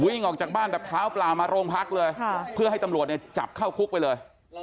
วิ่งออกจากบ้านแบบเท้าเปล่ามาโรงพักเลยเพื่อให้ตำรวจเนี่ยจับเข้าคุกไปเลย